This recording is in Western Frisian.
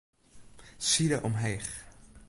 Side omheech.